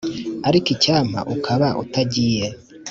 ariko icyampa ukaba utagiye.